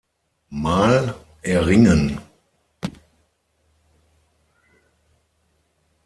Mal erringen.